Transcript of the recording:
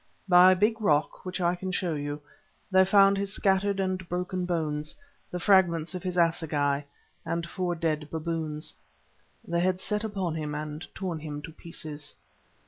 By a big rock which I can show you, they found his scattered and broken bones, the fragments of his assegai, and four dead baboons. They had set upon him and torn him to pieces.